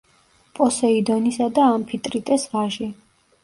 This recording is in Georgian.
პოსეიდონისა და ამფიტრიტეს ვაჟი.